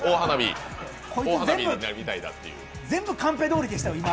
全部カンペどおりでしたよ。